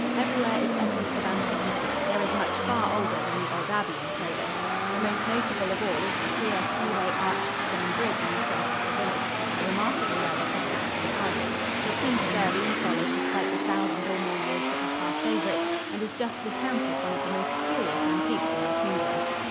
Everywhere is evidence of antiquity there is much far older than the old abbey in Crowland. The most notable of all is the queer three way arched stone bridge in the center of the village a remarkable relic of Saxon times. It seems sturdy and solid despite the thousand or more years that have passed over it, and is justly counted one of the most curious antiques in the Kingdom.